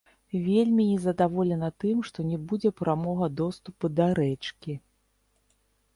Вельмі незадаволена тым, што не будзе прамога доступу да рэчкі.